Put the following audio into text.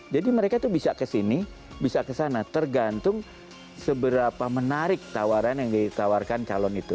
jadi mereka itu bisa ke sini bisa ke sana tergantung seberapa menarik tawaran yang ditawarkan calon itu